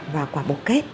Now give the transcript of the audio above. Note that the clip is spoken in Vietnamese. và quả bồ cây